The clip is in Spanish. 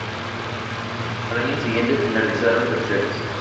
Al año siguiente finalizaron terceros.